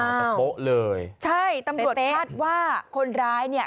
กับโป๊ะเลยใช่ตำรวจคาดว่าคนร้ายเนี่ย